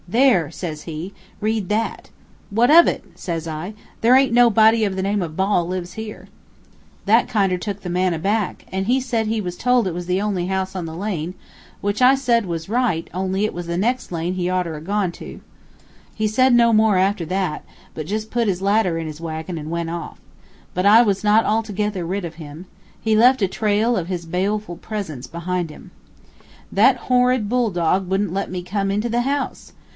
'There,' says he, 'read that.' 'What of it? 'says I 'there's nobody of the name of Ball lives here.' That took the man kinder aback, and he said he was told it was the only house on the lane, which I said was right, only it was the next lane he oughter 'a' gone to. He said no more after that, but just put his ladder in his wagon, and went off. But I was not altogether rid of him. He left a trail of his baleful presence behind him. "That horrid bull dog wouldn't let me come into the house!